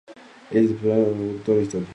Ella desesperadamente me contó la historia...